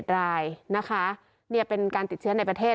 ๘๑๔๑รายนะคะเนี่ยเป็นการติดเชื้อในประเทศ